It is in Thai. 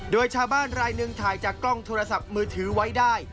โดยชาวบ้านรายหนึ่งถ่ายจากกล้องโทรศัพท์มือถือไว้ได้